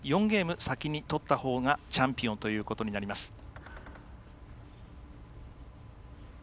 ４ゲーム先に取ったほうがチャンピオンということになります。